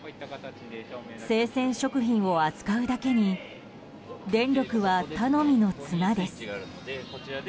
生鮮食品を扱うだけに電力は頼みの綱です。